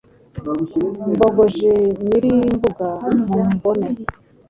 Mbogoje Nyirimbuga mu mbone”